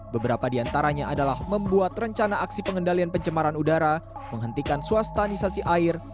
beberapa diantaranya adalah membuat rencana aksi pengendalian pencemaran udara menghentikan swastanisasi air